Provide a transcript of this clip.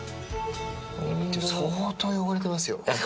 相当汚れてますよ。